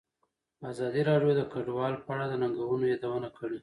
ازادي راډیو د کډوال په اړه د ننګونو یادونه کړې.